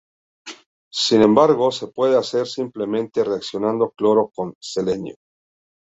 Sin embargo, se puede hacer simplemente reaccionando cloro con selenio.